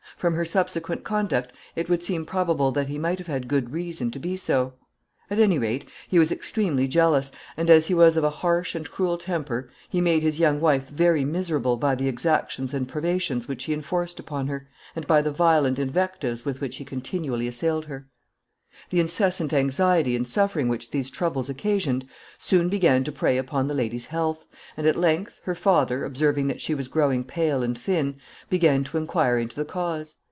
From her subsequent conduct it would seem probable that he might have had good reason to be so. At any rate, he was extremely jealous; and as he was of a harsh and cruel temper, he made his young wife very miserable by the exactions and privations which he enforced upon her, and by the violent invectives with which he continually assailed her. [Sidenote: Her unhappy marriage.] The incessant anxiety and suffering which these troubles occasioned soon began to prey upon the lady's health, and, at length, her father, observing that she was growing pale and thin, began to inquire into the cause.